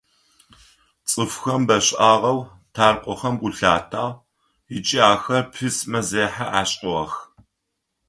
Цӏыфхэм бэшӏагъэу тхьаркъохэм гу лъатагъ ыкӏи ахэр письмэзехьэ ашӏыгъэх.